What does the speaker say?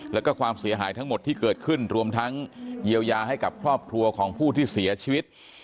แล้วก็ความเสียหายทั้งหมดที่เกิดขึ้นรวมทั้งเยียวยาให้กับครอบครัวของผู้ที่เสียชีวิต